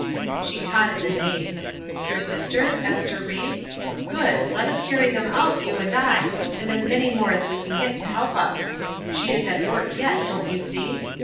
She caught at the name. "Your sister? Ester Ried? Good! Let us carry them out, you and I, and as many more as we can get to help us. She is at work yet, don't you see?